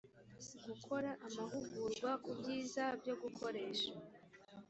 gukora amahugurwa ku byiza byo gukoresha